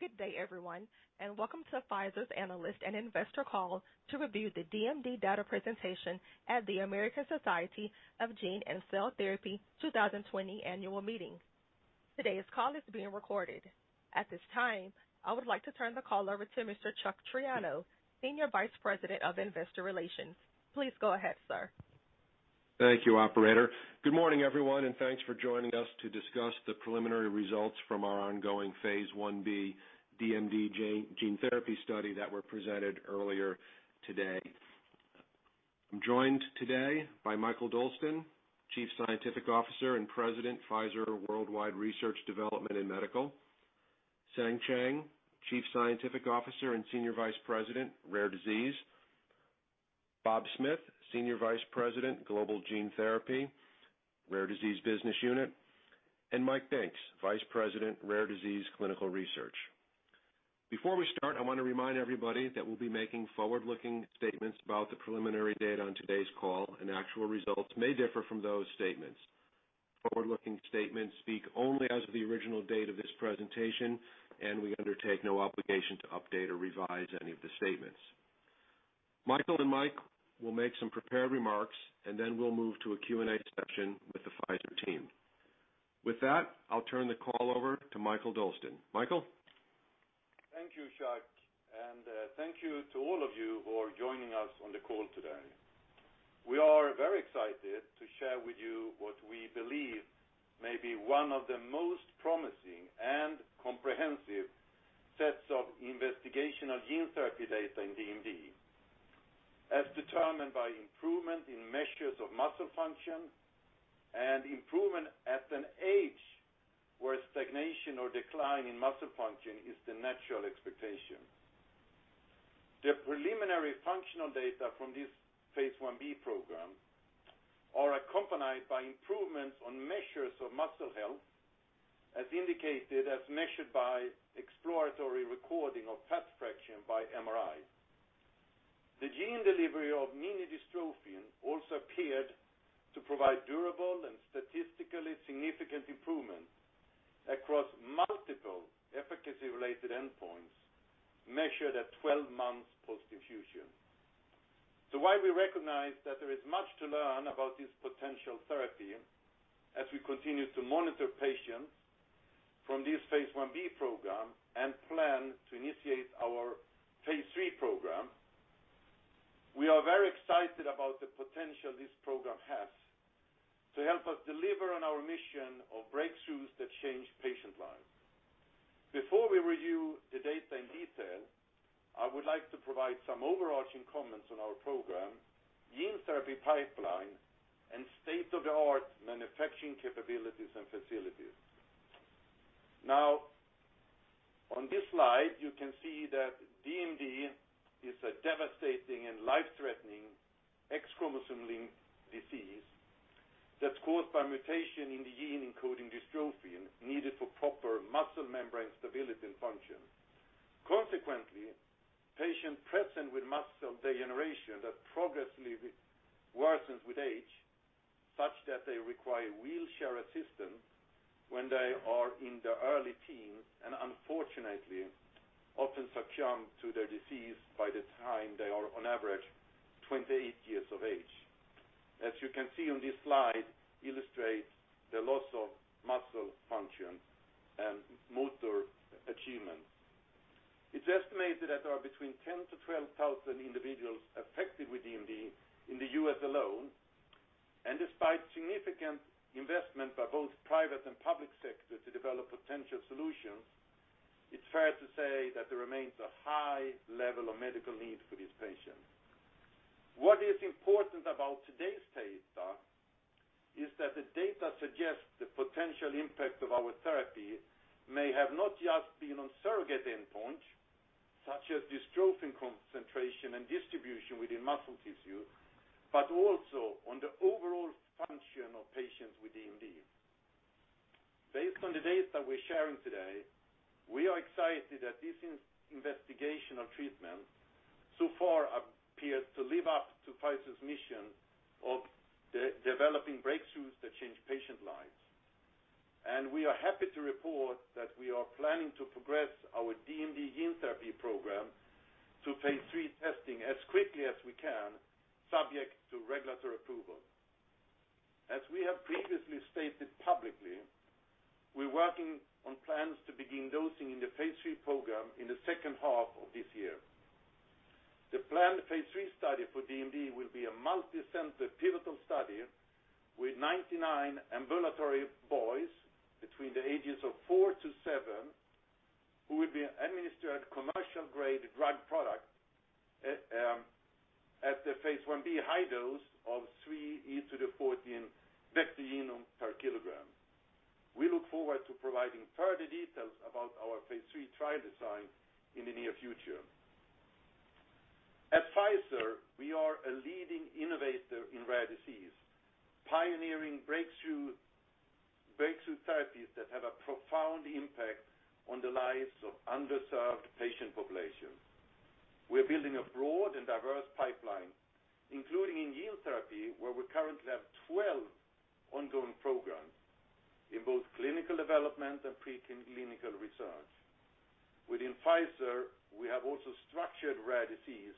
Good day, everyone, welcome to Pfizer's Analyst and Investor Call to review the DMD data presentation at the American Society of Gene & Cell Therapy 2020 annual meeting. Today's call is being recorded. At this time, I would like to turn the call over to Mr. Charles Triano, Senior Vice President of Investor Relations. Please go ahead, sir. Thank you, Operator. Good morning, everyone. Thanks for joining us to discuss the preliminary results from our ongoing Phase I-B DMD gene therapy study that were presented earlier today. I'm joined today by Mikael Dolsten, Chief Scientific Officer and President, Pfizer Worldwide Research, Development and Medical. Seng Cheng, Chief Scientific Officer and Senior Vice President, Rare Disease. Bob Smith, Senior Vice President, Global Gene Therapy, Rare Disease Business Unit, and Mike Binks, Vice President, Rare Disease Clinical Research. Before we start, I want to remind everybody that we'll be making forward-looking statements about the preliminary data on today's call. Actual results may differ from those statements. Forward-looking statements speak only as of the original date of this presentation. We undertake no obligation to update or revise any of the statements. Michael will make some prepared remarks, and then we'll move to a Q&A session with the Pfizer team. With that, I'll turn the call over to Mikael Dolsten. Mikael? Thank you, Chuck, and thank you to all of you who are joining us on the call today. We are very excited to share with you what we believe may be one of the most promising and comprehensive sets of investigational gene therapy data in DMD, as determined by improvement in measures of muscle function and improvement at an age where stagnation or decline in muscle function is the natural expectation. The preliminary functional data from this phase I-B program are accompanied by improvements on measures of muscle health, as indicated as measured by exploratory recording of fat fraction by MRI. The gene delivery of minidystrophin also appeared to provide durable and statistically significant improvement across multiple efficacy-related endpoints measured at 12 months post-infusion. While we recognize that there is much to learn about this potential therapy as we continue to monitor patients from this phase I-B program and plan to initiate our phase III program, we are very excited about the potential this program has to help us deliver on our mission of breakthroughs that change patient lives. Before we review the data in detail, I would like to provide some overarching comments on our program, gene therapy pipeline, and state-of-the-art manufacturing capabilities and facilities. On this slide, you can see that DMD is a devastating and life-threatening X chromosome-linked disease that's caused by a mutation in the gene encoding dystrophin, needed for proper muscle membrane stability and function. Consequently, patients present with muscle degeneration that progressively worsens with age, such that they require wheelchair assistance when they are in their early teens and unfortunately often succumb to their disease by the time they are on average 28 years of age. As you can see on this slide, illustrates the loss of muscle function and motor achievement. It's estimated that there are between 10,000-12,000 individuals affected with DMD in the U.S. alone. Despite significant investment by both private and public sector to develop potential solutions, it's fair to say that there remains a high level of medical need for these patients. What is important about today's data is that the data suggests the potential impact of our therapy may have not just been on surrogate endpoints, such as dystrophin concentration and distribution within muscle tissue, but also on the overall function of patients with DMD. Based on the data we're sharing today, we are excited that this investigational treatment so far appears to live up to Pfizer's mission of developing breakthroughs that change patient lives. We are happy to report that we are planning to progress our DMD Gene Therapy Program to phase III testing as quickly as we can, subject to regulatory approval. As we have previously stated publicly, we're working on plans to begin dosing in the phase III program in the second half of this year. The planned phase III study for DMD will be a multi-center pivotal study with 99 ambulatory boys between the ages of four to seven, who will be administered commercial-grade drug product at the phase I-B high dose of 3e14 vector genomes per kilogram. We look forward to providing further details about our phase III trial design in the near future. At Pfizer, we are a leading innovator in rare disease, pioneering breakthrough therapies that have a profound impact on the lives of underserved patient populations. We're building a broad and diverse pipeline, including in gene therapy, where we currently have 12 ongoing programs in both clinical development and pre-clinical research. Within Pfizer, we have also structured rare disease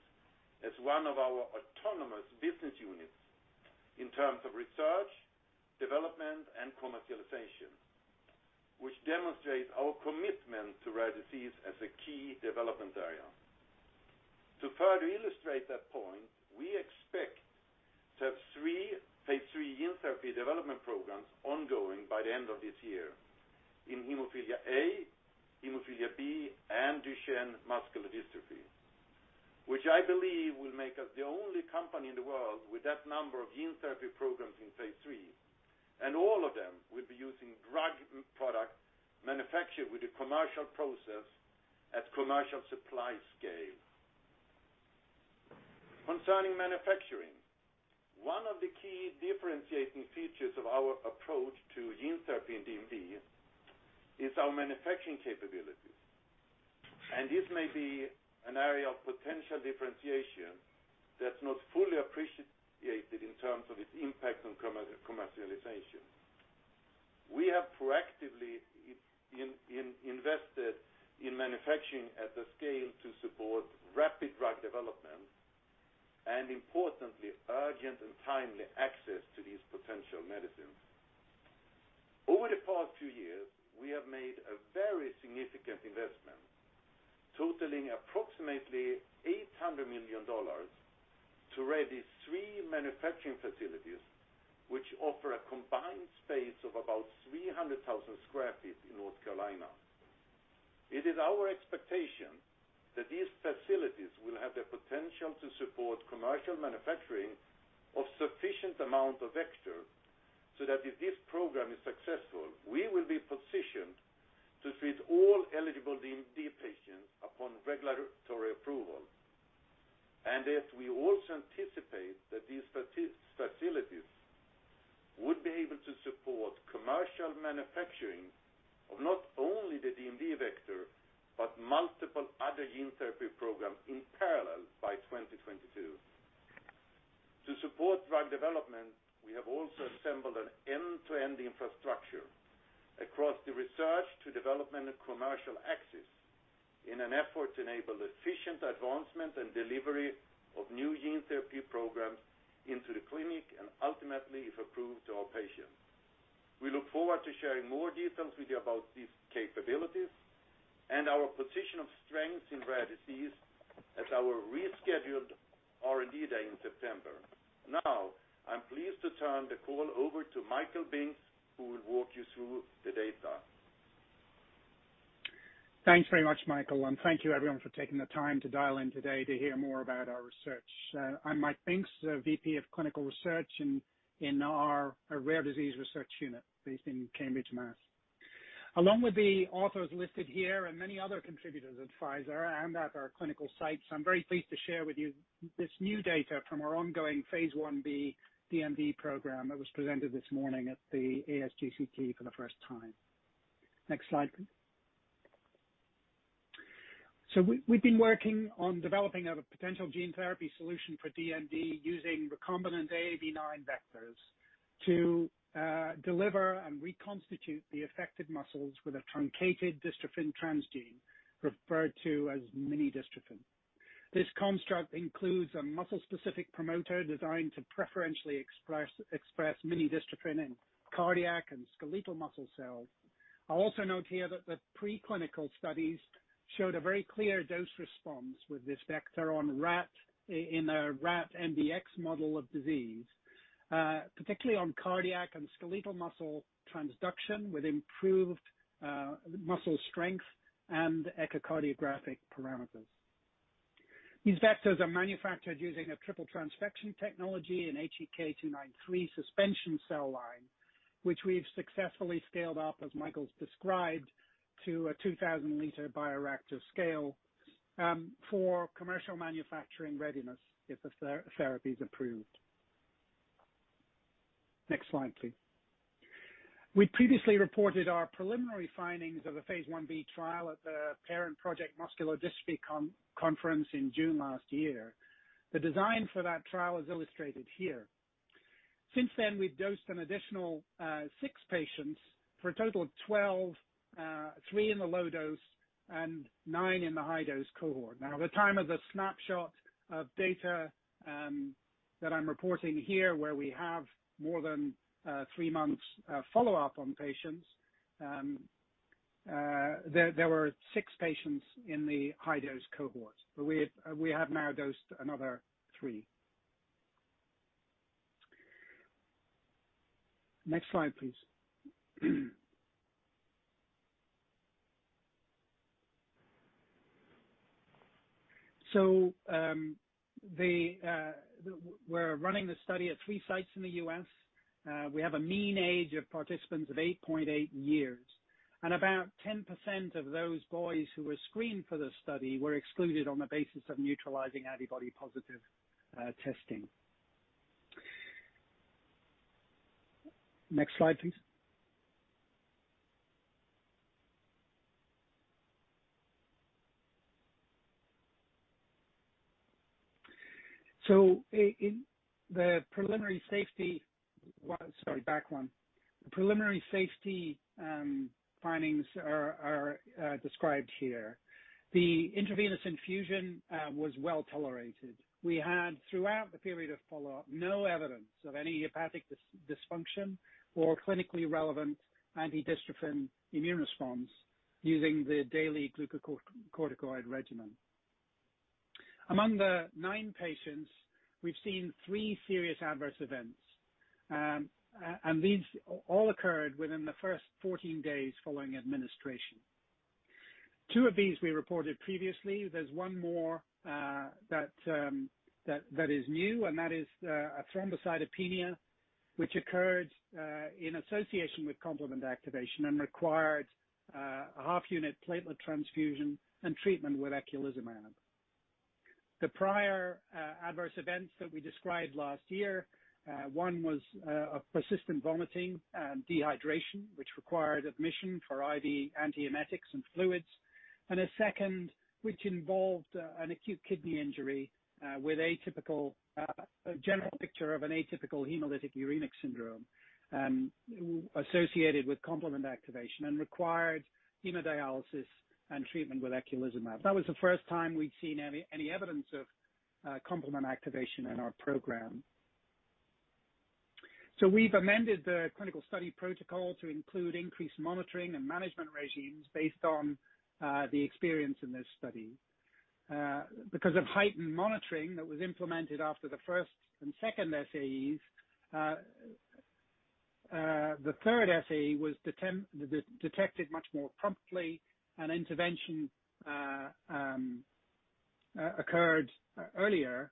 as one of our autonomous business units in terms of research, development, and commercialization, which demonstrates our commitment to rare disease as a key development area. To further illustrate that point, we expect to have three phase III gene therapy development programs ongoing by the end of this year in hemophilia A, hemophilia B, and Duchenne muscular dystrophy, which I believe will make us the only company in the world with that number of gene therapy programs in phase III. All of them will be using drug products manufactured with a commercial process at commercial supply scale. Concerning manufacturing, one of the key differentiating features of our approach to gene therapy in DMD is our manufacturing capabilities. This may be an area of potential differentiation that's not fully appreciated in terms of its impact on commercialization. We have proactively invested in manufacturing at the scale to support rapid drug development and, importantly, urgent and timely access to these potential medicines. Over the past two years, we have made a very significant investment totaling approximately $800 million to ready three manufacturing facilities, which offer a combined space of about 300,000 sq ft in North Carolina. It is our expectation that these facilities will have the potential to support commercial manufacturing of sufficient amount of vector, so that if this program is successful, we will be positioned to treat all eligible DMD patients upon regulatory approval. As we also anticipate that these facilities would be able to support commercial manufacturing of not only the DMD vector but multiple other gene therapy programs in parallel by 2022. To support drug development, we have also assembled an end-to-end infrastructure across the research to development and commercial axis in an effort to enable efficient advancement and delivery of new gene therapy programs into the clinic and ultimately, if approved, to our patients. We look forward to sharing more details with you about these capabilities and our position of strength in rare disease at our rescheduled R&D Day in September. Now, I'm pleased to turn the call over to Michael Binks, who will walk you through the data. Thanks very much, Mikael, and thank you, everyone, for taking the time to dial in today to hear more about our research. I'm Mike Binks, the VP of Clinical Research in our rare disease research unit based in Cambridge, Mass. Along with the authors listed here and many other contributors at Pfizer and at our clinical sites, I'm very pleased to share with you this new data from our ongoing phase I-B DMD program that was presented this morning at the ASGCT for the first time. Next slide. We've been working on developing a potential gene therapy solution for DMD using recombinant AAV9 vectors to deliver and reconstitute the affected muscles with a truncated dystrophin transgene referred to as minidystrophin. This construct includes a muscle-specific promoter designed to preferentially express minidystrophin in cardiac and skeletal muscle cells. I'll also note here that the preclinical studies showed a very clear dose response with this vector in a rat mdx model of disease, particularly on cardiac and skeletal muscle transduction with improved muscle strength and echocardiographic parameters. These vectors are manufactured using a triple transfection technology in HEK293 suspension cell line, which we've successfully scaled up, as Mikael's described, to a 2,000-liter bioreactor scale for commercial manufacturing readiness if the therapy is approved. Next slide, please. We previously reported our preliminary findings of a phase I-B trial at the Parent Project Muscular Dystrophy conference in June last year. The design for that trial is illustrated here. Since then, we've dosed an additional six patients for a total of 12, three in the low dose and nine in the high dose cohort. At the time of the snapshot of data that I'm reporting here, where we have more than three months follow-up on patients, there were six patients in the high dose cohort. We have now dosed another three. Next slide, please. We're running the study at three sites in the U.S. We have a mean age of participants of 8.8 years, and about 10% of those boys who were screened for the study were excluded on the basis of neutralizing antibody positive testing. Next slide, please. In the preliminary safety. Sorry, back one. The preliminary safety findings are described here. The intravenous infusion was well tolerated. We had, throughout the period of follow-up, no evidence of any hepatic dysfunction or clinically relevant anti-dystrophin immune response using the daily glucocorticoid regimen. Among the nine patients, we've seen three serious adverse events, and these all occurred within the first 14 days following administration. Two of these we reported previously. There's one more that is new, and that is a thrombocytopenia which occurred in association with complement activation and required a half-unit platelet transfusion and treatment with eculizumab. The prior adverse events that we described last year, one was a persistent vomiting and dehydration, which required admission for IV antiemetics and fluids. A second, which involved an acute kidney injury with a general picture of an atypical hemolytic uremic syndrome associated with complement activation, and required hemodialysis and treatment with eculizumab. That was the first time we'd seen any evidence of complement activation in our program. We've amended the clinical study protocol to include increased monitoring and management regimes based on the experience in this study. Because of heightened monitoring that was implemented after the first and second SAEs, the third SAE was detected much more promptly, and intervention occurred earlier,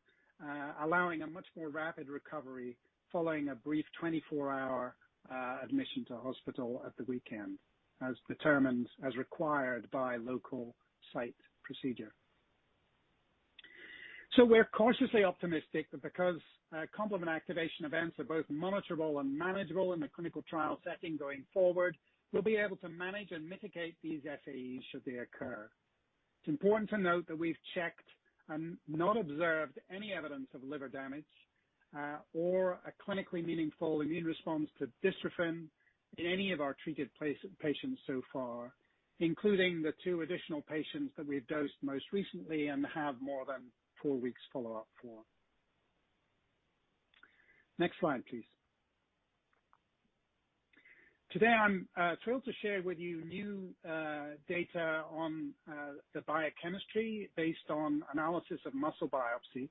allowing a much more rapid recovery following a brief 24-hour admission to hospital at the weekend, as required by local site procedure. We're cautiously optimistic that because complement activation events are both monitorable and manageable in the clinical trial setting going forward, we'll be able to manage and mitigate these SAEs should they occur. It's important to note that we've checked and not observed any evidence of liver damage, or a clinically meaningful immune response to dystrophin in any of our treated patients so far, including the two additional patients that we've dosed most recently and have more than four weeks follow-up for. Next slide, please. Today, I'm thrilled to share with you new data on the biochemistry based on analysis of muscle biopsy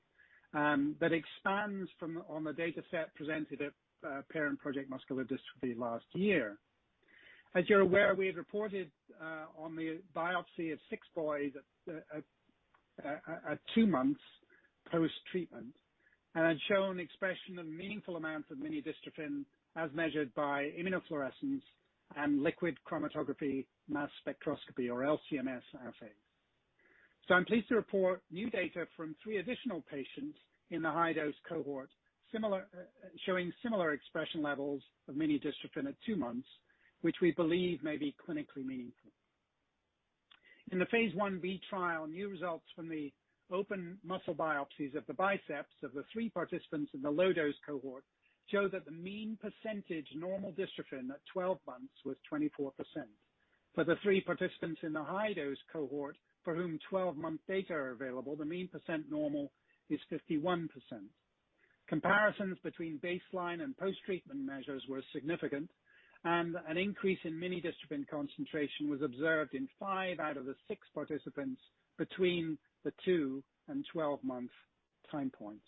that expands on the dataset presented at Parent Project Muscular Dystrophy last year. As you're aware, we had reported on the biopsy of six boys at two months post-treatment, and had shown expression of meaningful amounts of minidystrophin as measured by immunofluorescence and liquid chromatography-mass spectrometry, or LC-MS assay. I'm pleased to report new data from three additional patients in the high-dose cohort, showing similar expression levels of minidystrophin at two months, which we believe may be clinically meaningful. In the phase I-B trial, new results from the open muscle biopsies of the biceps of the three participants in the low-dose cohort show that the mean percentage normal dystrophin at 12 months was 24%. For the three participants in the high-dose cohort for whom 12-month data are available, the mean percent normal is 51%. Comparisons between baseline and post-treatment measures were significant, and an increase in minidystrophin concentration was observed in five out of the six participants between the two and 12-month time points.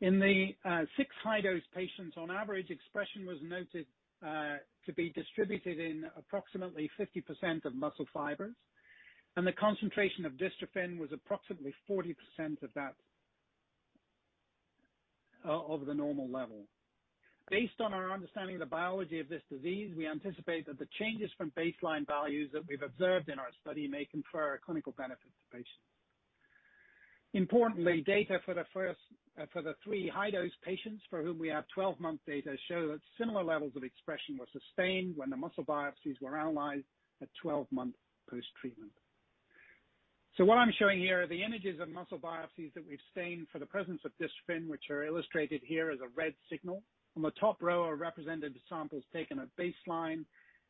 In the six high-dose patients, on average, expression was noted to be distributed in approximately 50% of muscle fibers, and the concentration of dystrophin was approximately 40% of the normal level. Based on our understanding of the biology of this disease, we anticipate that the changes from baseline values that we've observed in our study may confer a clinical benefit to patients. Importantly, data for the three high-dose patients for whom we have 12-month data show that similar levels of expression were sustained when the muscle biopsies were analyzed at 12 months post-treatment. What I'm showing here are the images of muscle biopsies that we've stained for the presence of dystrophin, which are illustrated here as a red signal. On the top row are representative samples taken at baseline,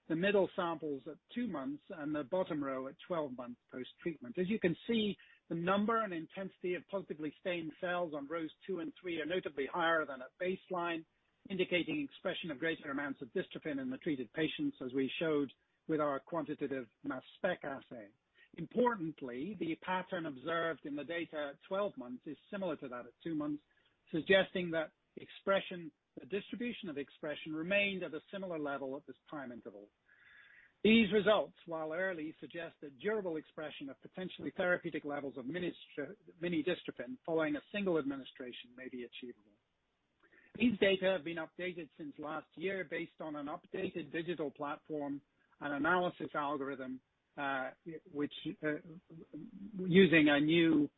the middle samples at two months, and the bottom row at 12 months post-treatment. As you can see, the number and intensity of positively stained cells on rows 2 and 3 are notably higher than at baseline, indicating expression of greater amounts of dystrophin in the treated patients as we showed with our quantitative mass spec assay. Importantly, the pattern observed in the data at 12 months is similar to that at two months, suggesting that the distribution of expression remained at a similar level at this time interval. These results, while early, suggest that durable expression of potentially therapeutic levels of minidystrophin following a single administration may be achievable. These data have been updated since last year based on an updated digital platform and analysis algorithm, using a new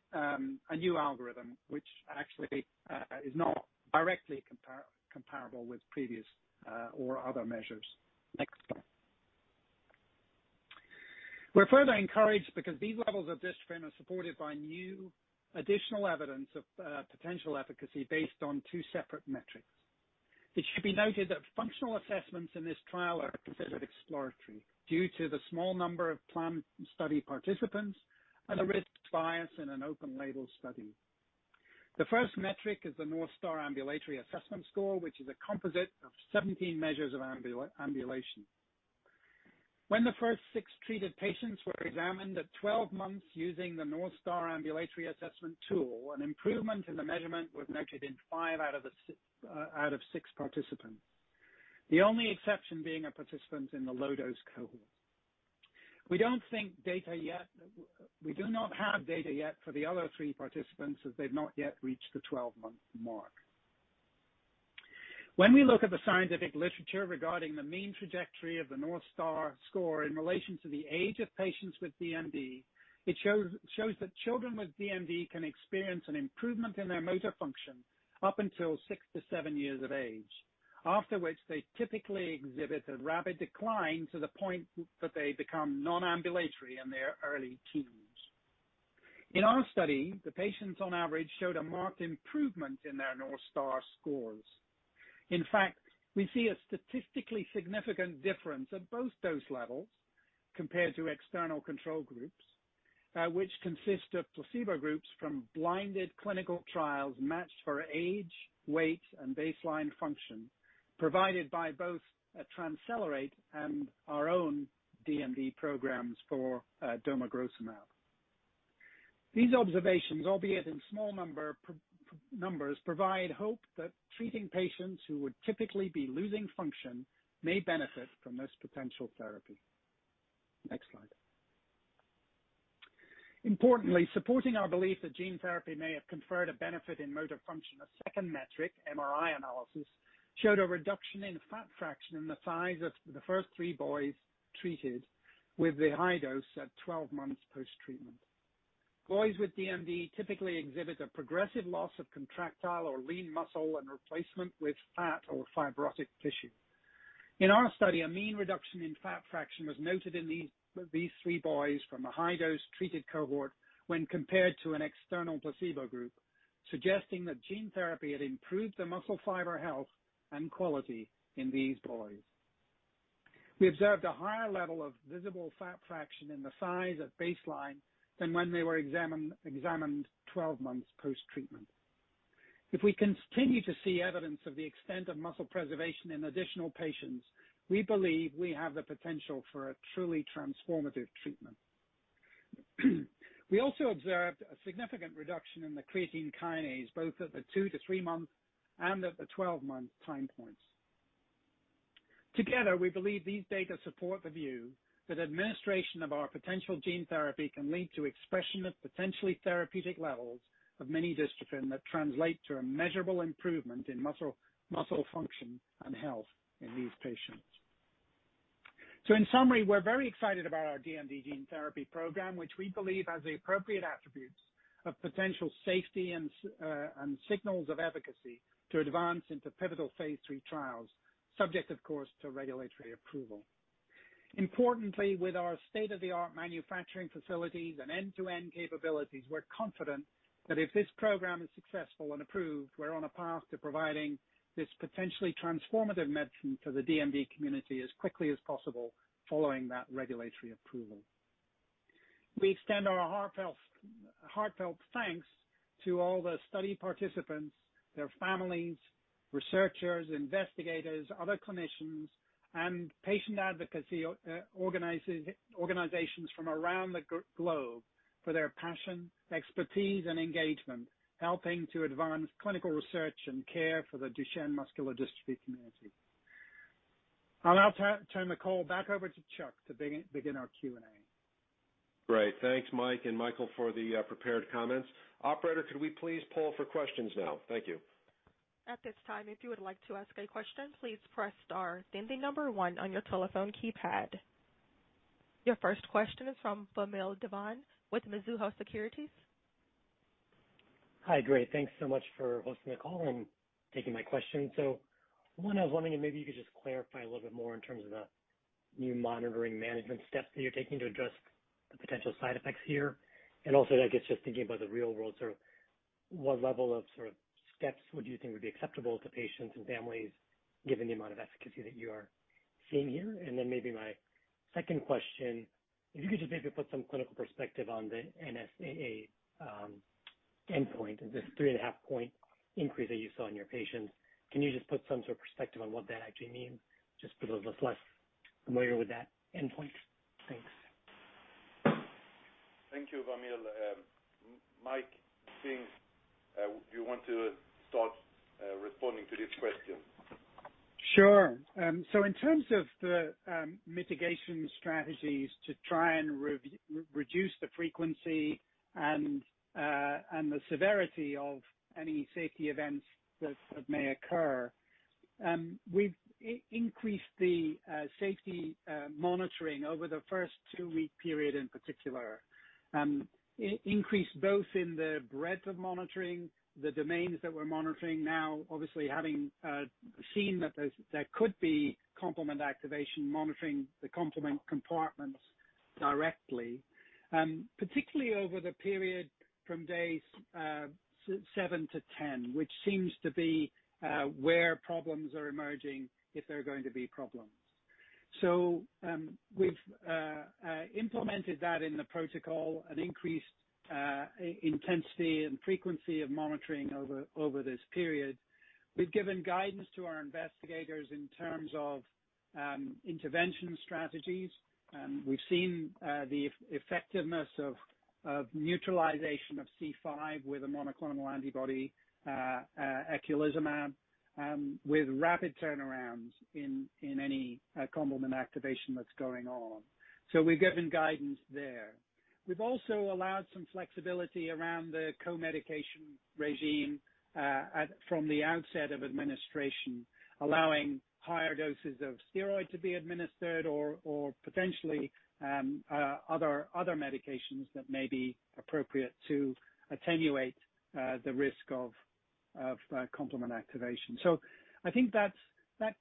algorithm, which actually is not directly comparable with previous or other measures. Next slide. We are further encouraged because these levels of dystrophin are supported by new additional evidence of potential efficacy based on two separate metrics. It should be noted that functional assessments in this trial are considered exploratory due to the small number of planned study participants and the risk of bias in an open-label study. The first metric is the North Star Ambulatory Assessment Score, which is a composite of 17 measures of ambulation. When the first six treated patients were examined at 12 months using the North Star Ambulatory Assessment tool, an improvement in the measurement was noted in five out of six participants. The only exception being a participant in the low-dose cohort. We do not have data yet for the other three participants as they've not yet reached the 12-month mark. When we look at the scientific literature regarding the mean trajectory of the North Star score in relation to the age of patients with DMD, it shows that children with DMD can experience an improvement in their motor function up until six to seven years of age. After which, they typically exhibit a rapid decline to the point that they become non-ambulatory in their early teens. In our study, the patients on average showed a marked improvement in their North Star scores. In fact, we see a statistically significant difference at both dose levels compared to external control groups, which consist of placebo groups from blinded clinical trials matched for age, weight, and baseline function, provided by both TransCelerate and our own DMD programs for domagrozumab. These observations, albeit in small numbers, provide hope that treating patients who would typically be losing function may benefit from this potential therapy. Next slide. Importantly, supporting our belief that gene therapy may have conferred a benefit in motor function, a second metric, MRI analysis, showed a reduction in fat fraction in the thighs of the first three boys treated with the high dose at 12 months post-treatment. Boys with DMD typically exhibit a progressive loss of contractile or lean muscle and replacement with fat or fibrotic tissue. In our study, a mean reduction in fat fraction was noted in these three boys from a high-dose treated cohort when compared to an external placebo group, suggesting that gene therapy had improved the muscle fiber health and quality in these boys. We observed a higher level of visible fat fraction in the thighs at baseline than when they were examined 12 months post-treatment. If we continue to see evidence of the extent of muscle preservation in additional patients, we believe we have the potential for a truly transformative treatment. We also observed a significant reduction in the creatine kinase, both at the two to three-month and at the 12-month time points. Together, we believe these data support the view that administration of our potential gene therapy can lead to expression of potentially therapeutic levels of minidystrophin that translate to a measurable improvement in muscle function and health in these patients. In summary, we're very excited about our DMD gene therapy program, which we believe has the appropriate attributes of potential safety and signals of efficacy to advance into pivotal phase III trials, subject, of course, to regulatory approval. Importantly, with our state-of-the-art manufacturing facilities and end-to-end capabilities, we're confident that if this program is successful and approved, we're on a path to providing this potentially transformative medicine to the DMD community as quickly as possible following that regulatory approval. We extend our heartfelt thanks to all the study participants, their families, researchers, investigators, other clinicians, and patient advocacy organizations from around the globe for their passion, expertise, and engagement, helping to advance clinical research and care for the Duchenne muscular dystrophy community. I'll now turn the call back over to Chuck to begin our Q&A. Great. Thanks, Mike and Michael for the prepared comments. Operator, could we please poll for questions now? Thank you. At this time, if you would like to ask a question, please press star then the number 1 on your telephone keypad. Your first question is from Vamil Divan with Mizuho Securities. Hi, great. Thanks so much for hosting the call and taking my question. One, I was wondering if maybe you could just clarify a little bit more in terms of the new monitoring management steps that you're taking to address the potential side effects here, and also, I guess, just thinking about the real world, what level of steps would you think would be acceptable to patients and families given the amount of efficacy that you are seeing here? Maybe my second question, if you could just maybe put some clinical perspective on the NSAA endpoint and this 3.5 point increase that you saw in your patients. Can you just put some sort of perspective on what that actually means, just for those of us less familiar with that endpoint? Thanks. Thank you, Vamil. Mike, since you want to start responding to this question. Sure. In terms of the mitigation strategies to try and reduce the frequency and the severity of any safety events that may occur, we've increased the safety monitoring over the first two-week period in particular. Increased both in the breadth of monitoring, the domains that we're monitoring now, obviously having seen that there could be complement activation, monitoring the complement compartments directly, particularly over the period from days seven to 10, which seems to be where problems are emerging if they're going to be problems. We've implemented that in the protocol and increased intensity and frequency of monitoring over this period. We've given guidance to our investigators in terms of intervention strategies. We've seen the effectiveness of neutralization of C5 with a monoclonal antibody eculizumab with rapid turnarounds in any complement activation that's going on. We've given guidance there. We've also allowed some flexibility around the co-medication regime from the outset of administration, allowing higher doses of steroid to be administered or potentially other medications that may be appropriate to attenuate the risk of complement activation. I think that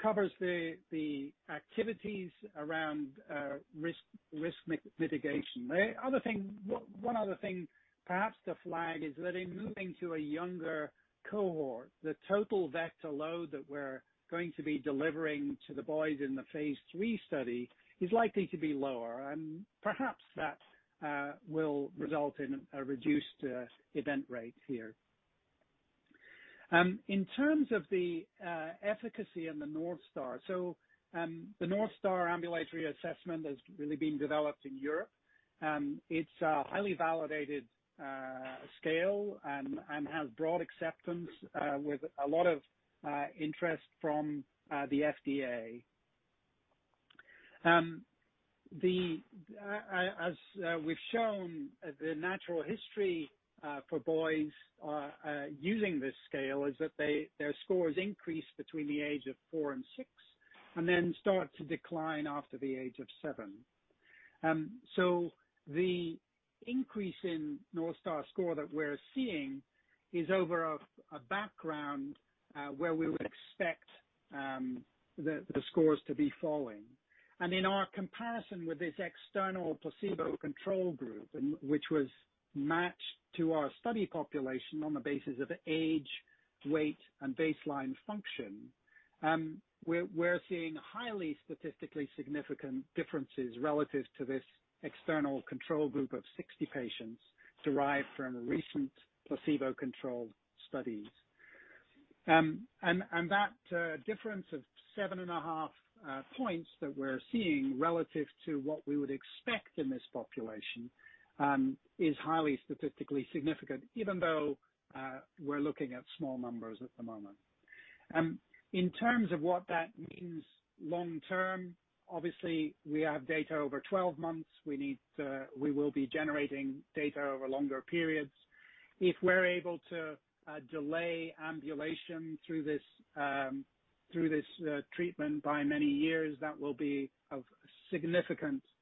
covers the activities around risk mitigation. One other thing, perhaps to flag, is that in moving to a younger cohort, the total vector load that we're going to be delivering to the boys in the phase III study is likely to be lower, and perhaps that will result in a reduced event rate here. In terms of the efficacy and the North Star. The North Star Ambulatory Assessment has really been developed in Europe. It's a highly validated scale and has broad acceptance with a lot of interest from the FDA. As we've shown, the natural history for boys using this scale is that their scores increase between the age of four and six, then start to decline after the age of seven. The increase in North Star score that we're seeing is over a background where we would expect the scores to be falling. In our comparison with this external placebo control group, which was matched to our study population on the basis of age, weight, and baseline function, we're seeing highly statistically significant differences relative to this external control group of 60 patients derived from recent placebo-controlled studies. That difference of 7.5 points that we're seeing relative to what we would expect in this population is highly statistically significant, even though we're looking at small numbers at the moment. In terms of what that means long term, obviously, we have data over 12 months. We will be generating data over longer periods. If we're able to delay ambulation through this treatment by many years, that will be of significant impact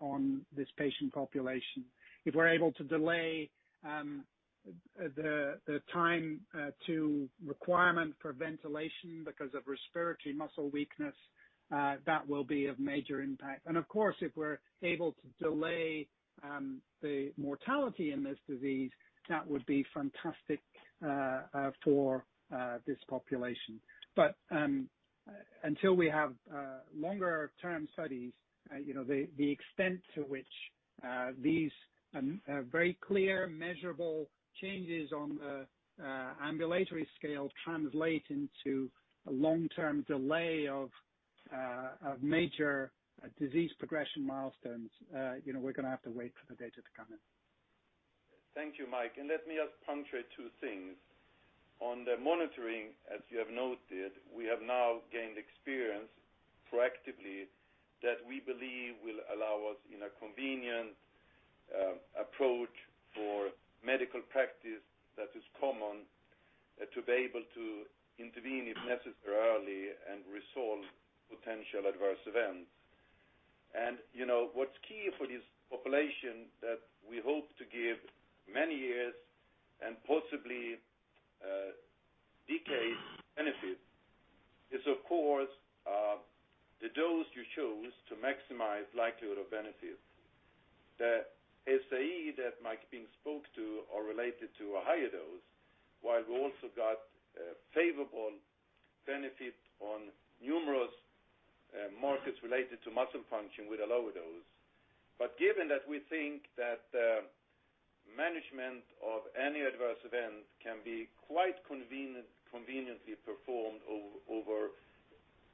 on this patient population. If we're able to delay the time to requirement for ventilation because of respiratory muscle weakness, that will be of major impact. Of course, if we're able to delay the mortality in this disease, that would be fantastic for this population. Until we have longer-term studies, the extent to which these very clear, measurable changes on the ambulatory scale translate into a long-term delay of major disease progression milestones, we're going to have to wait for the data to come in. Thank you, Mike. Let me just punctuate two things. On the monitoring, as you have noted, we have now gained experience proactively that we believe will allow us in a convenient approach for medical practice that is common to be able to intervene if necessary early and resolve potential adverse events. What's key for this population that we hope to give many years and possibly decades benefit is, of course, the dose you choose to maximize likelihood of benefit. The SAE that Mike Binks spoke to are related to a higher dose, while we also got a favorable benefit on numerous markets related to muscle function with a lower dose. Given that we think that the management of any adverse event can be quite conveniently performed over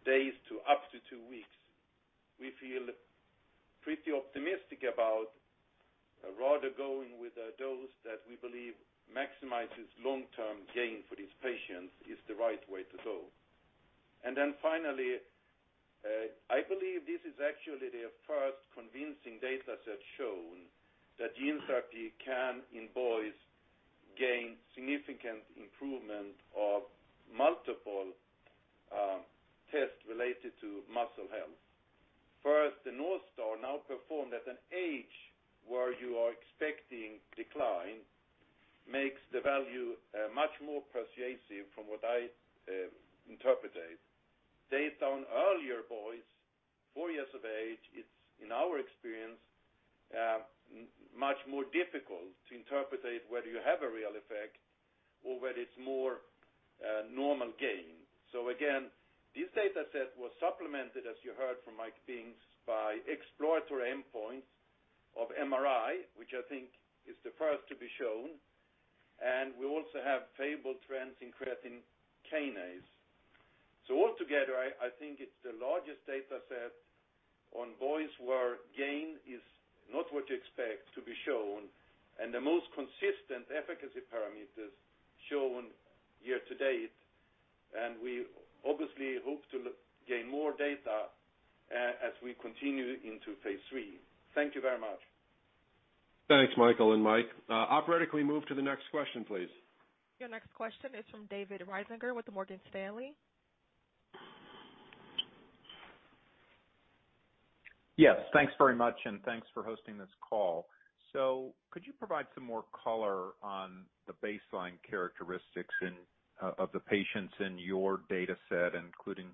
days to up to 2 weeks, we feel pretty optimistic about. Rather going with a dose that we believe maximizes long-term gain for these patients is the right way to go. Finally, I believe this is actually the first convincing data set shown that gene therapy can, in boys, gain significant improvement of multiple tests related to muscle health. First, the North Star now performed at an age where you are expecting decline, makes the value much more persuasive from what I interpret it. Data on earlier boys, four years of age, it's in our experience, much more difficult to interpret it whether you have a real effect or whether it's more normal gain. Again, this data set was supplemented, as you heard from Mike Binks, by exploratory endpoints of MRI, which I think is the first to be shown. We also have favorable trends in creatine kinase. Altogether, I think it's the largest data set on boys where gain is not what you expect to be shown, and the most consistent efficacy parameters shown here to date. We obviously hope to gain more data as we continue into phase III. Thank you very much. Thanks, Mikael and Mike. Operator, can we move to the next question, please? Your next question is from David Risinger with Morgan Stanley. Yes, thanks very much and thanks for hosting this call. Could you provide some more color on the baseline characteristics of the patients in your data set, including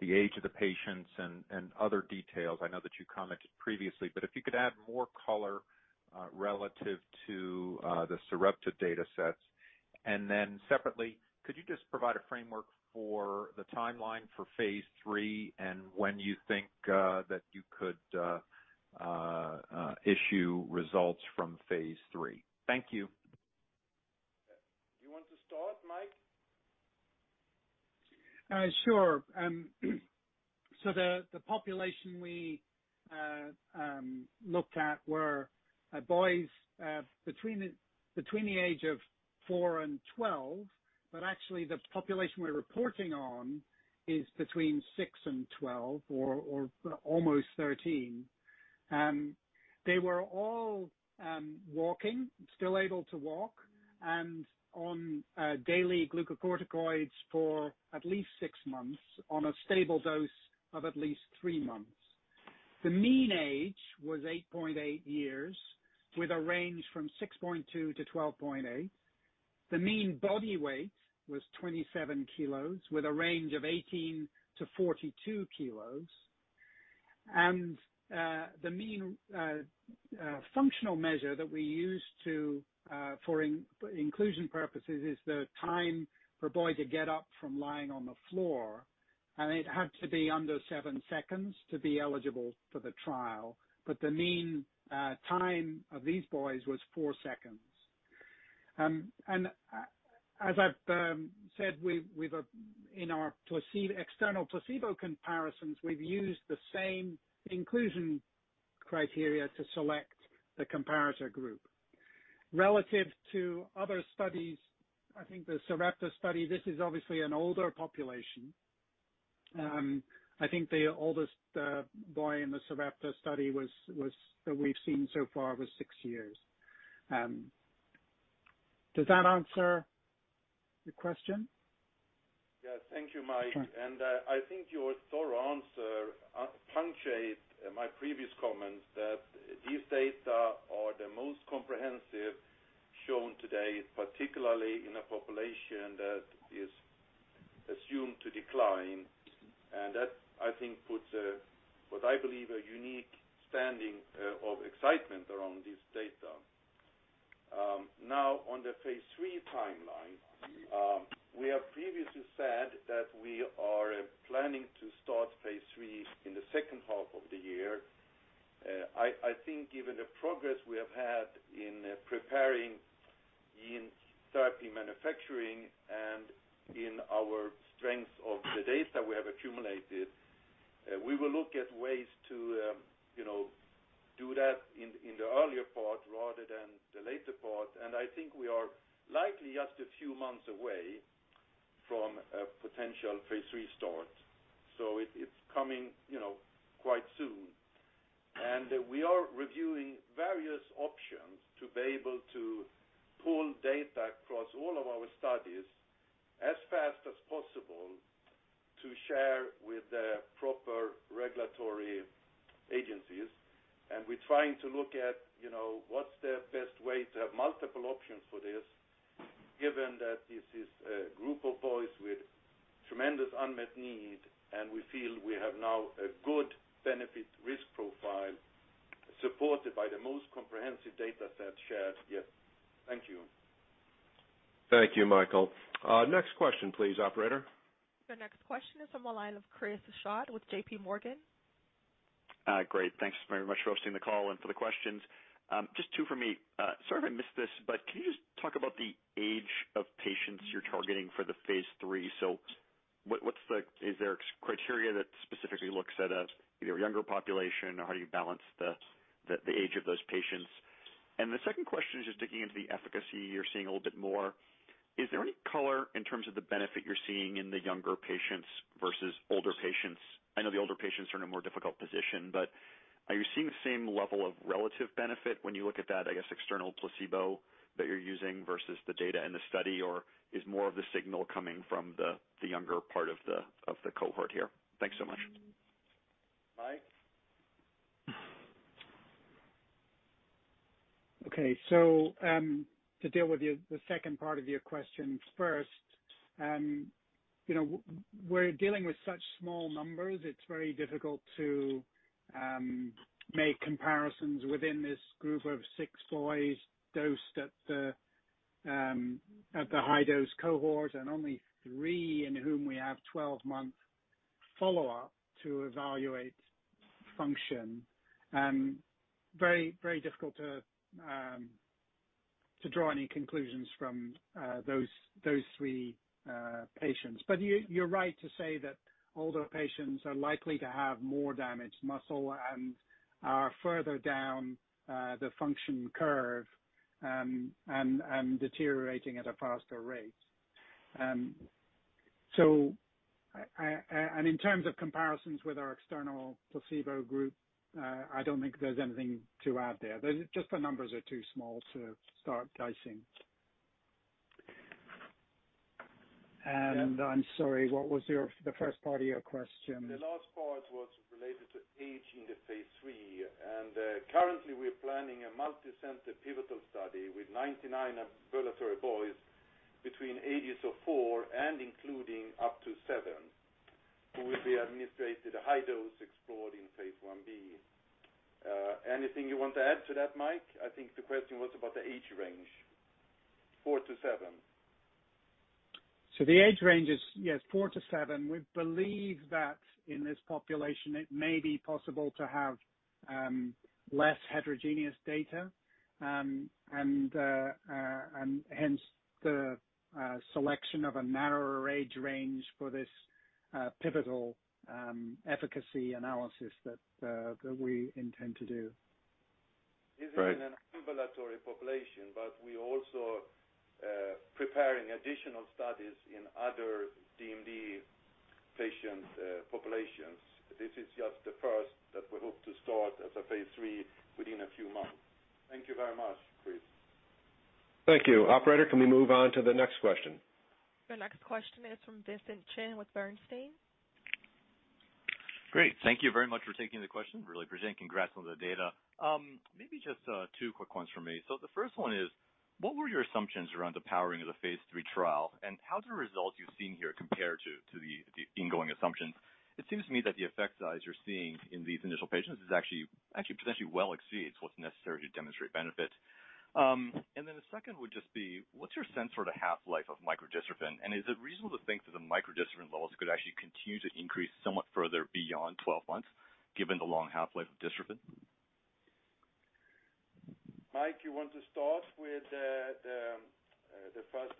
the age of the patients and other details? I know that you commented previously, but if you could add more color relative to the Sarepta data sets. Separately, could you just provide a framework for the timeline for phase III and when you think that you could issue results from phase III? Thank you. Do you want to start, Mike? Sure. The population we looked at were boys between the age of four and 12. Actually, the population we're reporting on is between six and 12 or almost 13. They were all walking, still able to walk, and on daily glucocorticoids for at least six months on a stable dose of at least three months. The mean age was 8.8 years, with a range from 6.2 to 12.8. The mean body weight was 27 kilos, with a range of 18 to 42 kilos. The mean functional measure that we used for inclusion purposes is the time for a boy to get up from lying on the floor, and it had to be under seven seconds to be eligible for the trial. The mean time of these boys was four seconds. As I've said, in our external placebo comparisons, we've used the same inclusion criteria to select the comparator group. Relative to other studies, I think the Sarepta study, this is obviously an older population. I think the oldest boy in the Sarepta study that we've seen so far was six years. Does that answer your question? Yes. Thank you, Mike. I think your thorough answer punctuated my previous comments that these data are the most comprehensive shown today, particularly in a population that is assumed to decline. That, I think, puts what I believe a unique standing of excitement around this data. Now on the phase III timeline. We have previously said that we are planning to start phase III in the second half of the year. I think given the progress we have had in preparing gene therapy manufacturing and Is there any color in terms of the benefit you're seeing in the younger patients versus older patients? I know the older patients are in a more difficult position. Are you seeing the same level of relative benefit when you look at that, I guess, external placebo that you're using versus the data in the study, or is more of the signal coming from the younger part of the cohort here? Thanks so much. Mike? Okay. To deal with the second part of your questions first. We're dealing with such small numbers, it's very difficult to make comparisons within this group of six boys dosed at the high dose cohort, and only three in whom we have 12-month follow-up to evaluate function. Very difficult to draw any conclusions from those three patients. You're right to say that older patients are likely to have more damaged muscle and are further down the function curve and deteriorating at a faster rate. In terms of comparisons with our external placebo group, I don't think there's anything to add there. Just the numbers are too small to start dicing. I'm sorry, what was the first part of your question? The last part was related to age in the phase III. Currently, we're planning a multi-center pivotal study with 99 ambulatory boys between ages of four and including up to seven, who will be administered a high dose explored in phase I-B. Anything you want to add to that, Mike? I think the question was about the age range, four to seven. The age range is, yes, four to seven. We believe that in this population it may be possible to have less heterogeneous data, and hence the selection of a narrower age range for this pivotal efficacy analysis that we intend to do. Right. This is in an ambulatory population, but we're also preparing additional studies in other DMD patient populations. This is just the first that we hope to start as a Phase III within a few months. Thank you very much, Chris Schott. Thank you. Operator, can we move on to the next question? The next question is from Vincent Chen with Bernstein. Great. Thank you very much for taking the question. Really appreciate it. Congrats on the data. Maybe just two quick ones from me. The first one is: What were your assumptions around the powering of the phase III trial, and how do the results you've seen here compare to the ongoing assumptions? It seems to me that the effect size you're seeing in these initial patients is actually potentially well exceeds what's necessary to demonstrate benefit. The second would just be: What's your sense for the half-life of microdystrophin, and is it reasonable to think that the microdystrophin levels could actually continue to increase somewhat further beyond 12 months given the long half-life of dystrophin? Mike, you want to start with the first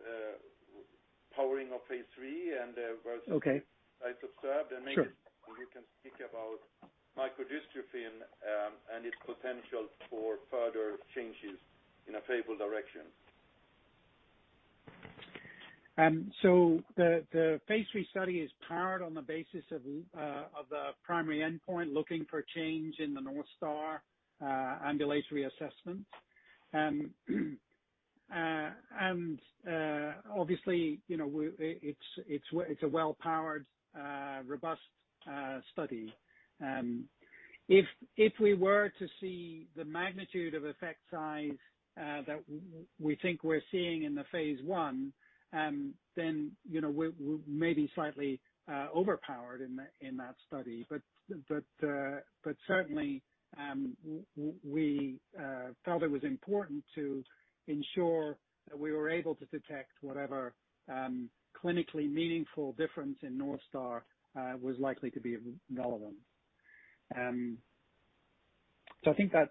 powering of phase III. Okay versus what is observed Sure Maybe you can speak about microdystrophin, and its potential for further changes in a favorable direction. The phase III study is powered on the basis of the primary endpoint looking for change in the North Star Ambulatory Assessment. Obviously, it's a well-powered, robust study. If we were to see the magnitude of effect size that we think we're seeing in the phase I, then we're maybe slightly overpowered in that study. Certainly, we felt it was important to ensure that we were able to detect whatever clinically meaningful difference in North Star was likely to be relevant. I think that's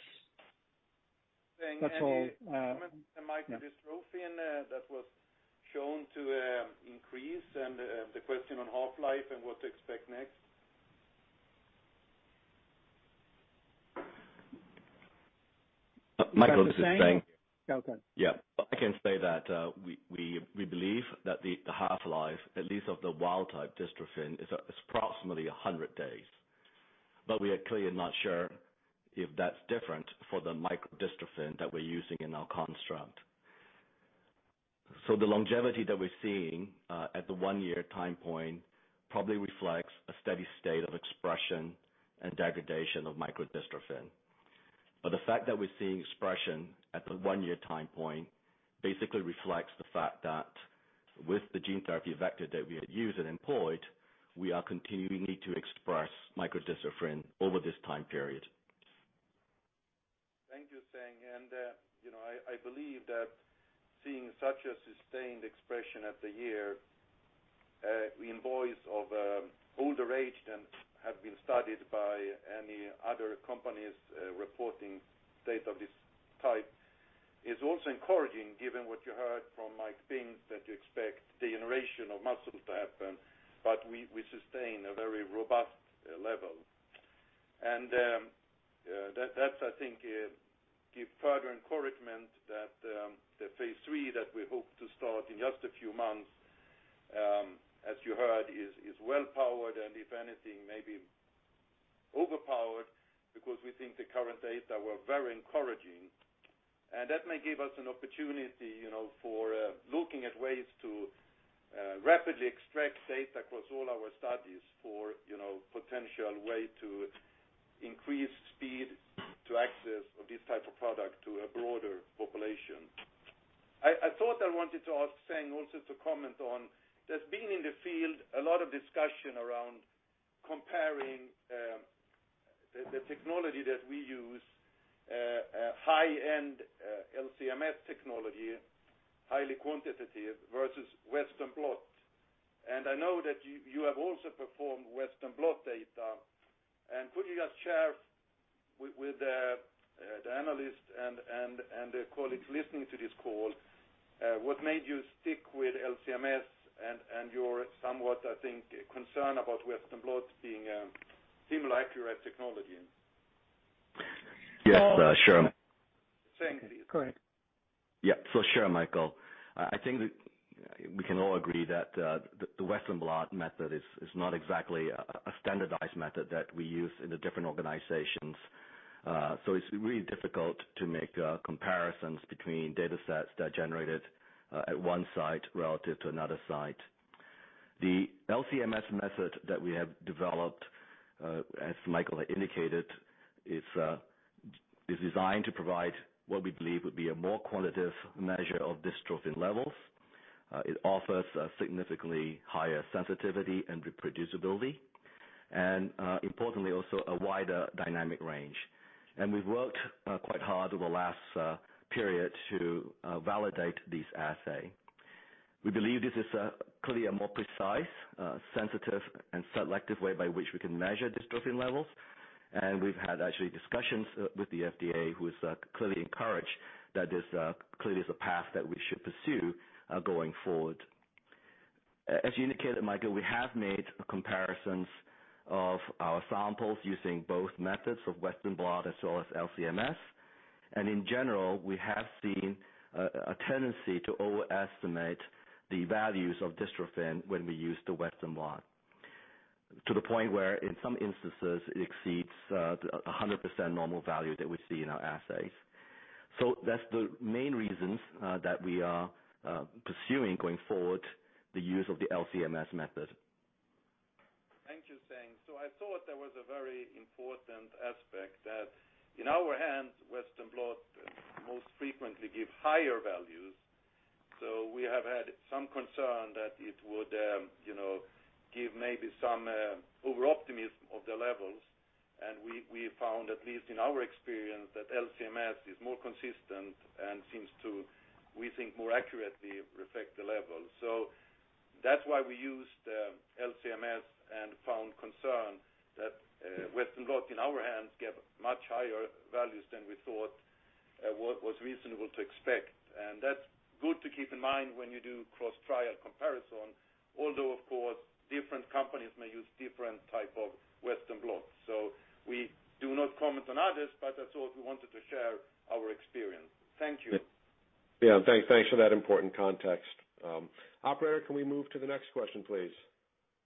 all. Seng, any comment on microdystrophin that was shown to increase and the question on half-life and what to expect next? Mikael was just saying. Go ahead. Yeah. I can say that we believe that the half-life, at least of the wild type dystrophin, is approximately 100 days. We are clearly not sure if that's different for the microdystrophin that we're using in our construct. The longevity that we're seeing at the one-year time point probably reflects a steady state of expression and degradation of microdystrophin. The fact that we're seeing expression at the one-year time point basically reflects the fact that with the gene therapy vector that we had used and employed, we are continuing to express microdystrophin over this time period. Thank you, Seng. I believe that seeing such a sustained expression at the year with boys of older aged and have been studied by any other companies reporting data of this type is also encouraging given what you heard from Mike Binks, that you expect degeneration of muscles to happen, but we sustain a very robust level. That I think gives further encouragement that the phase III that we hope to start in just a few months, as you heard, is well powered and if anything may be overpowered because we think the current data were very encouraging. That may give us an opportunity for looking at ways to rapidly extract data across all our studies for potential way to increase speed to access of this type of product to a broader population. I thought I wanted to ask Seng also to comment on, there's been in the field a lot of discussion around comparing the technology that we use, high-end LC-MS technology, highly quantitative versus Western blot. I know that you have also performed Western blot data. Putting [yourselves] with the analyst and the colleagues listening to this call, what made you stick with LC-MS and your somewhat, I think, concern about Western blot being a seemingly accurate technology? Yes, sure. Seng, please. Correct. Yeah, for sure, Mikael. I think that we can all agree that the Western blot method is not exactly a standardized method that we use in the different organizations. It's really difficult to make comparisons between data sets that are generated at one site relative to another site. The LC-MS method that we have developed, as Mikael indicated, is designed to provide what we believe would be a more quantitative measure of dystrophin levels. It offers a significantly higher sensitivity and reproducibility and, importantly, also a wider dynamic range. We've worked quite hard over the last period to validate this assay. We believe this is clearly a more precise, sensitive, and selective way by which we can measure dystrophin levels. We've had actually discussions with the FDA, who is clearly encouraged that this clearly is a path that we should pursue going forward. As you indicated, Mikael, we have made comparisons of our samples using both methods of Western blot as well as LC-MS. In general, we have seen a tendency to overestimate the values of dystrophin when we use the Western blot, to the point where in some instances it exceeds 100% normal value that we see in our assays. That's the main reasons that we are pursuing going forward the use of the LC-MS method. Thank you, Seng. I thought that was a very important aspect that in our hands, Western blot most frequently give higher values. We have had some concern that it would give maybe some over-optimism of the levels. We found, at least in our experience, that LC-MS is more consistent and seems to, we think, more accurately reflect the level. That's why we used LC-MS and found concern that Western blot in our hands gave much higher values than we thought was reasonable to expect. That's good to keep in mind when you do cross-trial comparison, although, of course, different companies may use different type of Western blot. We do not comment on others, but I thought we wanted to share our experience. Thank you. Yeah. Thanks for that important context. Operator, can we move to the next question, please?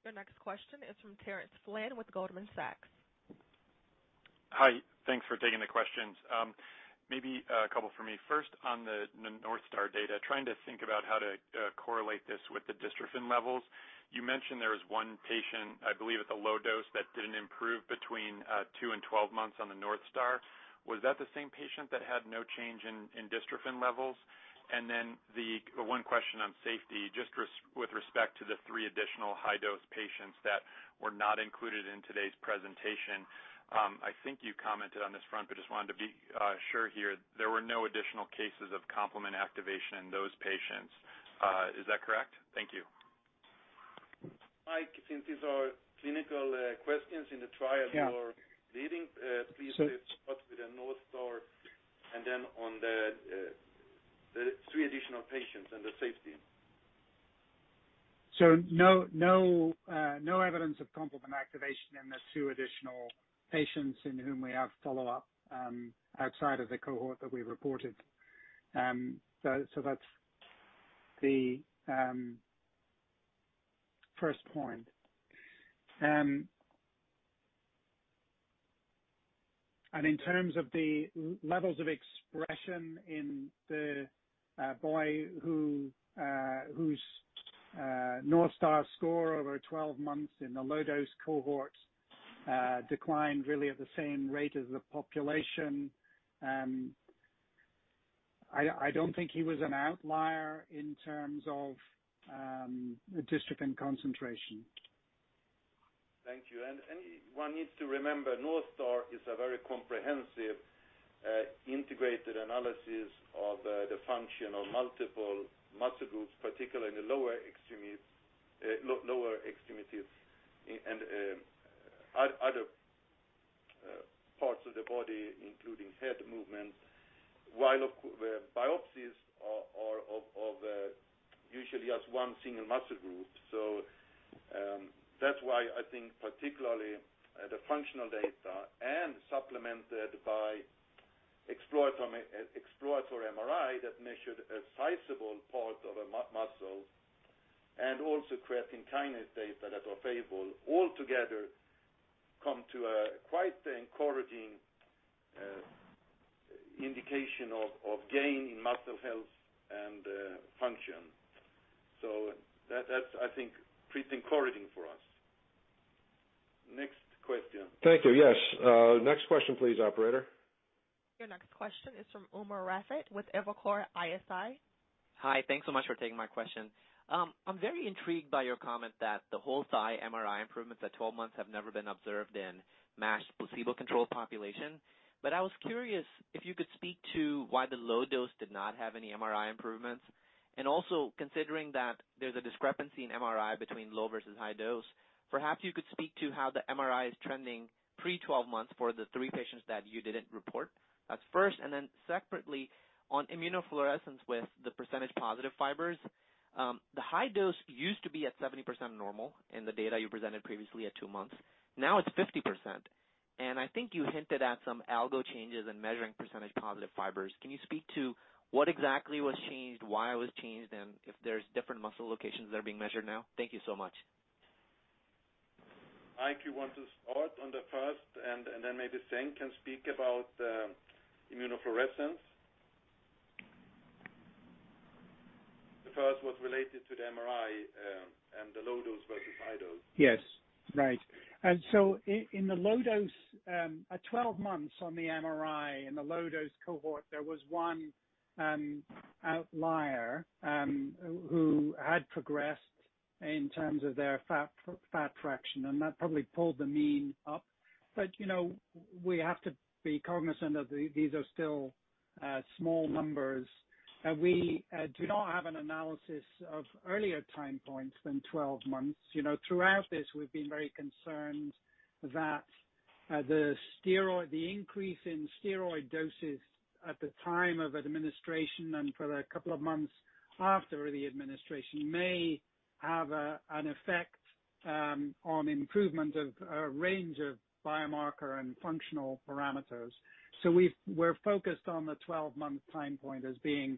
Your next question is from Terence Flynn with Goldman Sachs. Hi. Thanks for taking the questions. Maybe a couple for me. First on the North Star data, trying to think about how to correlate this with the dystrophin levels. You mentioned there was one patient, I believe at the low dose, that didn't improve between two and 12 months on the North Star. Was that the same patient that had no change in dystrophin levels? Then the one question on safety, just with respect to the three additional high-dose patients that were not included in today's presentation. I think you commented on this front, just wanted to be sure here. There were no additional cases of complement activation in those patients. Is that correct? Thank you. Mike, since these are clinical questions in the trial. Yeah you're leading, please start with the North Star and then on the three additional patients and the safety. No evidence of complement activation in the two additional patients in whom we have follow-up outside of the cohort that we reported. That's the first point. In terms of the levels of expression in the boy whose North Star score over 12 months in the low-dose cohort declined really at the same rate as the population, I don't think he was an outlier in terms of dystrophin concentration Thank you. One needs to remember, North Star is a very comprehensive, integrated analysis of the function of multiple muscle groups, particularly in the lower extremities and other parts of the body, including head movement, while biopsies are of usually just one single muscle group. That's why I think particularly the functional data and supplemented by exploratory MRI that measured a sizable part of a muscle and also creatine kinase data that are favorable altogether come to a quite encouraging indication of gain in muscle health and function. That's, I think, pretty encouraging for us. Next question. Thank you. Yes. Next question please, operator. Your next question is from Umer Raffat with Evercore ISI. Hi. Thanks so much for taking my question. I'm very intrigued by your comment that the whole thigh MRI improvements at 12 months have never been observed in matched placebo-controlled population. I was curious if you could speak to why the low dose did not have any MRI improvements, also considering that there's a discrepancy in MRI between low versus high dose. Perhaps you could speak to how the MRI is trending pre-12 months for the three patients that you didn't report. That's first, separately on immunofluorescence with the % positive fibers. The high dose used to be at 70% normal in the data you presented previously at two months. Now it's 50%. I think you hinted at some algo changes in measuring % positive fibers. Can you speak to what exactly was changed, why it was changed, and if there's different muscle locations that are being measured now? Thank you so much. Mike, you want to start on the first, and then maybe Seng can speak about immunofluorescence. The first was related to the MRI, and the low dose versus high dose. Yes. Right. In the low dose at 12 months on the MRI in the low dose cohort, there was one outlier who had progressed in terms of their fat fraction, and that probably pulled the mean up. We have to be cognizant that these are still small numbers. We do not have an analysis of earlier time points than 12 months. Throughout this, we've been very concerned that the increase in steroid doses at the time of administration and for a couple of months after the administration may have an effect on improvement of a range of biomarker and functional parameters. We're focused on the 12-month time point as being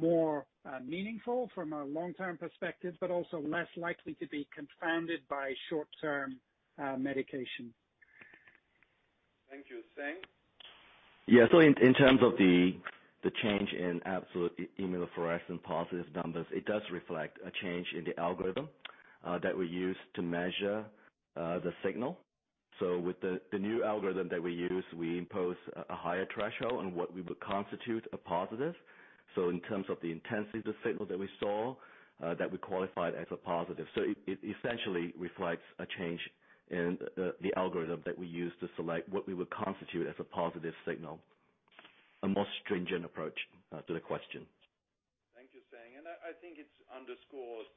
more meaningful from a long-term perspective, but also less likely to be confounded by short-term medication. Thank you. Seng? Yeah. In terms of the change in absolute immunofluorescence positive numbers, it does reflect a change in the algorithm that we use to measure the signal. With the new algorithm that we use, we impose a higher threshold on what we would constitute a positive. In terms of the intensity of the signal that we saw, that we qualified as a positive. It essentially reflects a change in the algorithm that we use to select what we would constitute as a positive signal. A more stringent approach to the question. Thank you, Seng. I think it underscores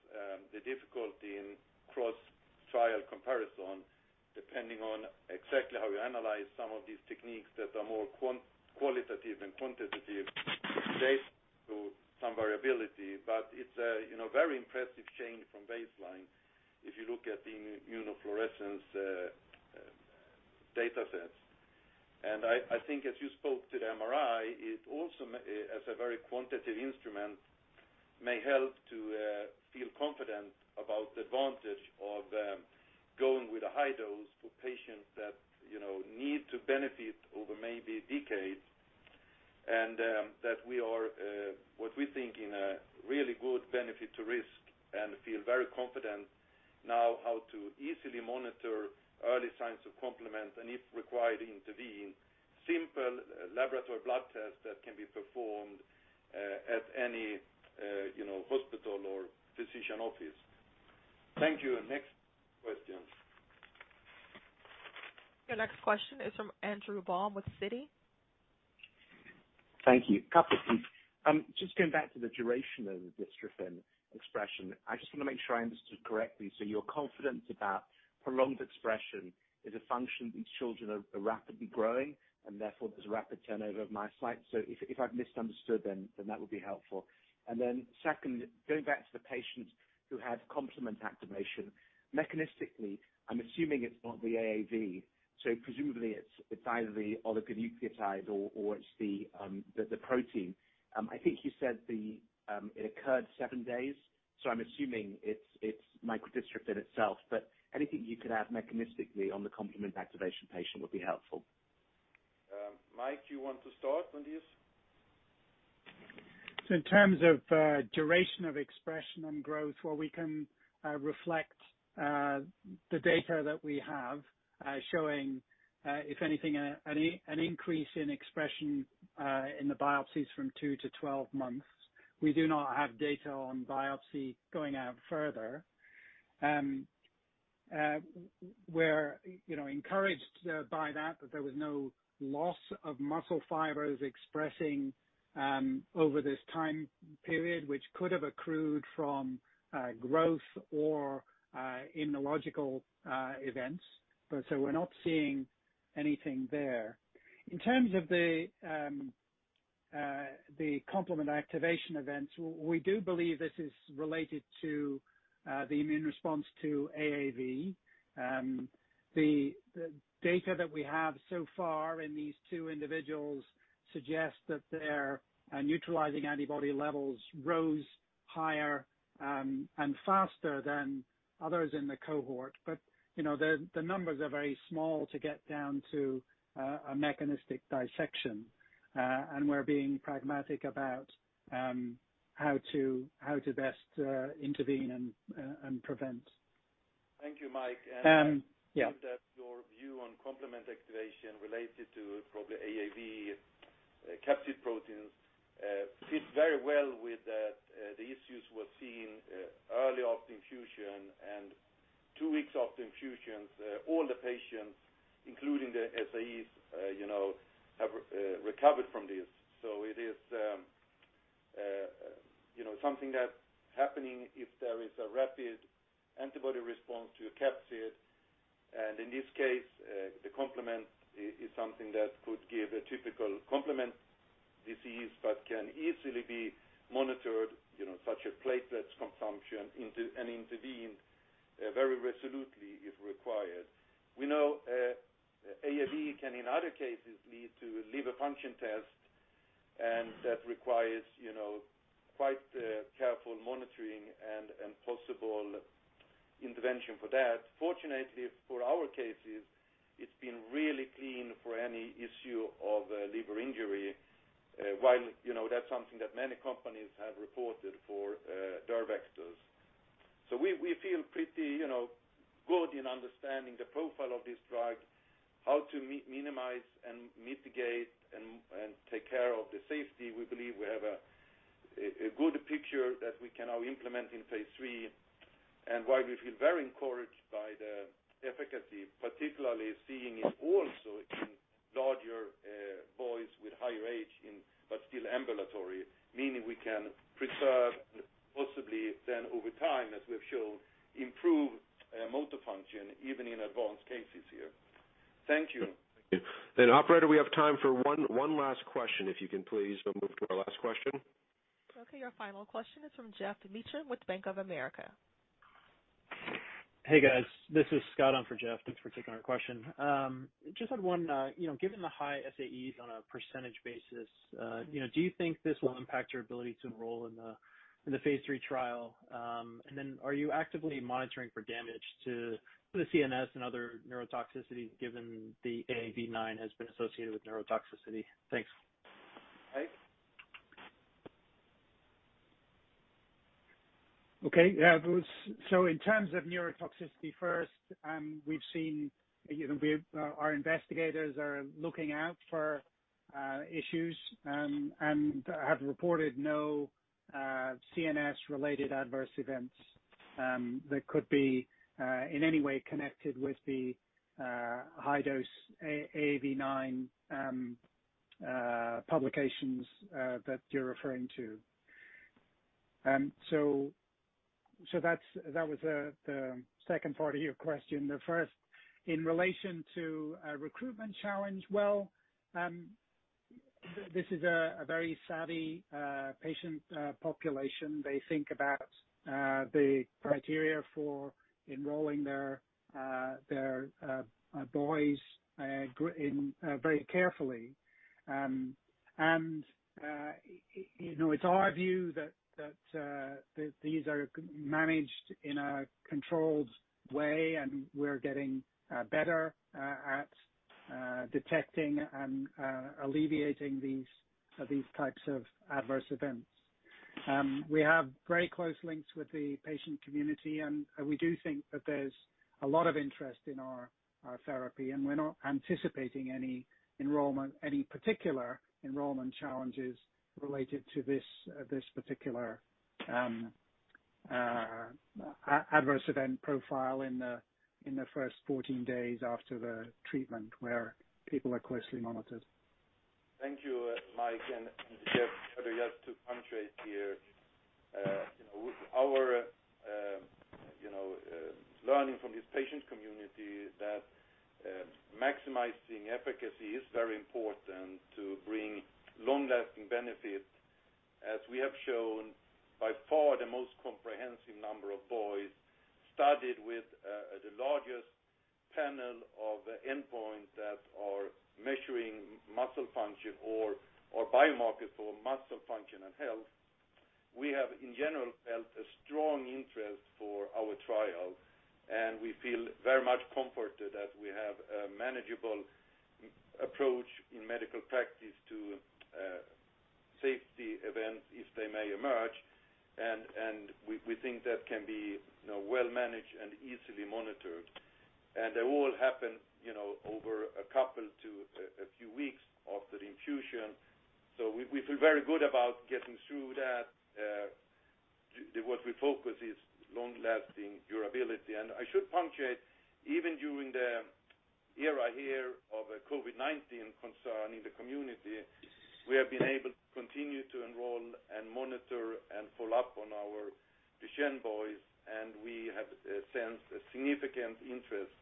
the difficulty in cross-trial comparison, depending on exactly how we analyze some of these techniques that are more qualitative than quantitative-based to some variability. It's a very impressive change from baseline if you look at the immunofluorescence datasets. I think as you spoke to the MRI, it also as a very quantitative instrument may help to feel confident about the advantage of going with a high dose for patients that need to benefit over maybe decades, and that we are what we think in a really good benefit to risk and feel very confident now how to easily monitor early signs of complement and if required intervene simple laboratory blood test that can be performed at any hospital or physician office. Thank you. Next question. Your next question is from Andrew Baum with Citi. Thank you. Couple things. Just going back to the duration of the dystrophin expression. I just want to make sure I understood correctly. You're confident about prolonged expression is a function these children are rapidly growing and therefore there's rapid turnover of myocyte. If I've misunderstood, then that would be helpful. Second, going back to the patients who had complement activation. Mechanistically, I'm assuming it's not the AAV, presumably it's either the oligonucleotide or it's the protein. I think you said it occurred seven days, I'm assuming it's microdystrophin itself, but anything you could add mechanistically on the complement activation patient would be helpful. Mike, you want to start on this? In terms of duration of expression and growth, while we can reflect the data that we have showing if anything, an increase in expression in the biopsies from 2 to 12 months. We do not have data on biopsy going out further. We're encouraged by that there was no loss of muscle fibers expressing over this time period, which could have accrued from growth or immunological events. We're not seeing anything there. In terms of the complement activation events, we do believe this is related to the immune response to AAV. The data that we have so far in these two individuals suggests that their neutralizing antibody levels rose higher and faster than others in the cohort. The numbers are very small to get down to a mechanistic dissection. We're being pragmatic about how to best intervene and prevent. Thank you, Mike. Yeah. It seems that your view on complement activation related to probably AAV capsid proteins fits very well with the issues we're seeing early after infusion and two weeks after infusions. All the patients, including the SAEs, have recovered from this. It is something that's happening if there is a rapid antibody response to capsid. In this case, the complement is something that could give atypical complement disease, but can easily be monitored, such as platelet consumption, and intervened very resolutely if required. We know AAV can, in other cases, lead to liver function test, and that requires quite careful monitoring and possible intervention for that. Fortunately, for our cases, it's been really clean for any issue of liver injury, while that's something that many companies have reported for rAAVs. We feel pretty good in understanding the profile of this drug, how to minimize and mitigate and take care of the safety. We believe we have a good picture that we can now implement in phase III and why we feel very encouraged by the efficacy, particularly seeing it also in larger boys with higher age but still ambulatory, meaning we can preserve possibly then over time, as we've shown, improve motor function even in advanced cases here. Thank you. Thank you. Operator, we have time for one last question. If you can please move to our last question. Okay, your final question is from Geoff Meacham with Bank of America. Hey, guys. This is Scott on for Geoff. Thanks for taking our question. Just had one. Given the high SAEs on a percentage basis, do you think this will impact your ability to enroll in the phase III trial? Are you actively monitoring for damage to the CNS and other neurotoxicities given the AAV9 has been associated with neurotoxicity? Thanks. Mike? Okay. So in terms of neurotoxicity first, we've seen our investigators are looking out for issues and have reported no CNS-related adverse events that could be in any way connected with the high-dose AAV9 publications that you're referring to. That was the second part of your question. The first, in relation to a recruitment challenge, this is a very savvy patient population. They think about the criteria for enrolling their boys very carefully. It's our view that these are managed in a controlled way, and we're getting better at detecting and alleviating these types of adverse events. We have very close links with the patient community. We do think that there's a lot of interest in our therapy. We're not anticipating any particular enrollment challenges related to this particular adverse event profile in the first 14 days after the treatment where people are closely monitored. Thank you, Mike and Geoff. Just to punctuate here. With our learning from this patient community that maximizing efficacy is very important to bring long-lasting benefit, as we have shown by far the most comprehensive number of boys studied with the largest panel of endpoints that are measuring muscle function or biomarkers for muscle function and health. We have, in general, felt a strong interest for our trial, and we feel very much comforted that we have a manageable approach in medical practice to safety events if they may emerge, and we think that can be well managed and easily monitored. They all happen over a couple to a few weeks after infusion. We feel very good about getting through that. What we focus is long-lasting durability. I should punctuate, even during the era here of COVID-19 concern in the community, we have been able to continue to enroll and monitor and follow up on our Duchenne boys, and we have sensed a significant interest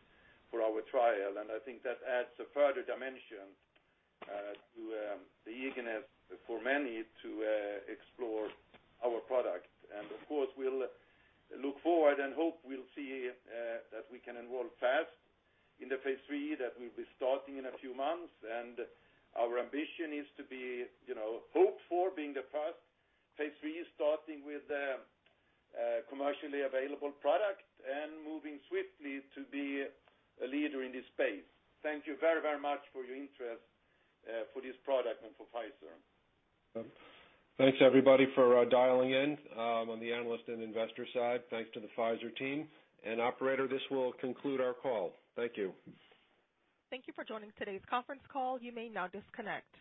for our trial. I think that adds a further dimension to the eagerness for many to explore our product. Of course, we'll look forward and hope we'll see that we can enroll fast in the phase III that we'll be starting in a few months. Our ambition is to be hoped for being the first phase III, starting with the commercially available product and moving swiftly to be a leader in this space. Thank you very much for your interest for this product and for Pfizer. Thanks everybody for dialing in on the analyst and investor side. Thanks to the Pfizer team. Operator, this will conclude our call. Thank you. Thank you for joining today's conference call. You may now disconnect.